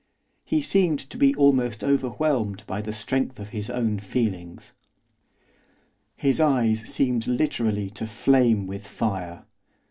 He seemed to be almost overwhelmed by the strength of his own feelings. His eyes seemed literally to flame with fire.